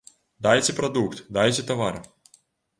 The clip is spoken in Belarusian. Дайце прадукт, дайце тавар!